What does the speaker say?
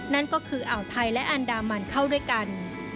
นั่นก็คืออ่าวไทยและอันดามันเข้าด้วยกัน